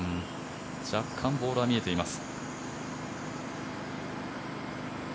若干、ボールは見えています。